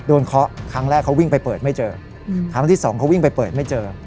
เคาะครั้งแรกเขาวิ่งไปเปิดไม่เจอครั้งที่สองเขาวิ่งไปเปิดไม่เจอ